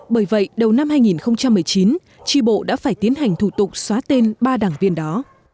bởi vậy đầu năm hai nghìn một mươi chín tri bộ đã phải tiến hành thủ tục xóa tên ba đảng viên đó